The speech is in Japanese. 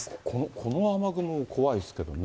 この雨雲も怖いですけれどもね。